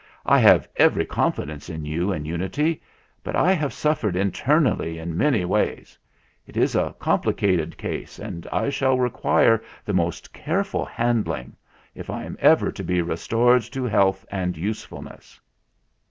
I have every confidence in you and Unity. But I have suffered internally in many ways. It is a com plicated case, and I shall require the most care ful handling if I am ever to be restored to health and usefulness."